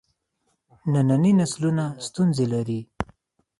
ننني نسلونه ستونزې لري.